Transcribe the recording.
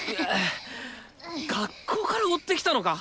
学校から追ってきたのか！？